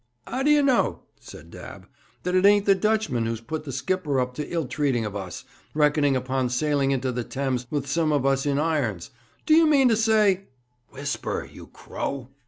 ''Ow d'ye know,' said Dabb, 'that it ain't the Dutchman who's put the skipper up to ill treating of us, reckoning upon sailing into the Thames with some of us in irons? D'ye mean to say ' 'Whisper, you crow!'